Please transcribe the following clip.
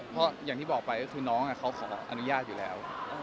เพราะอย่างที่บอกไปก็คือน้องเขาขออนุญาตอยู่แล้ว